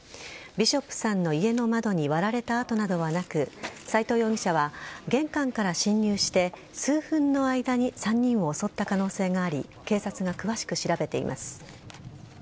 ビショップさんの家の窓に割られた跡などはなく斎藤容疑者は玄関から侵入して数分の間に３人を襲った可能性があり警察が詳しく調べています。